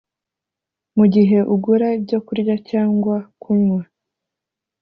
Mu gihe ugura ibyo kurya cyangwa kunywa